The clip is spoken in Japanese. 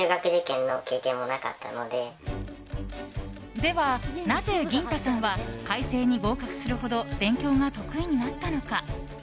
ではなぜ、ぎん太さんは開成に合格するほど勉強が得意になったのか？